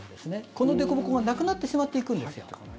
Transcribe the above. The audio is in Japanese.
このでこぼこがなくなってしまっていくんです。